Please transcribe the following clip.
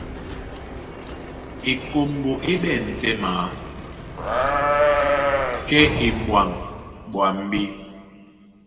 Ekombo é ɓɛ̂n tɛ́ maa, kɛ́ e e m̀ɓwaŋ ɓwambí.